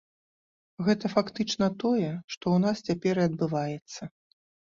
Гэта фактычна тое, што ў нас цяпер і адбываецца.